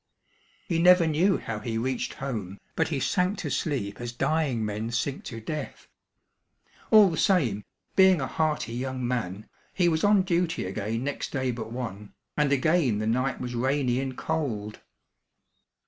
He never knew how he reached home, but he sank to sleep as dying men sink to death. All the same, being a hearty young man, he was on duty again next day but one, and again the night was rainy and cold.